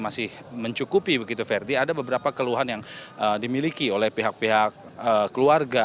masih mencukupi begitu verdi ada beberapa keluhan yang dimiliki oleh pihak pihak keluarga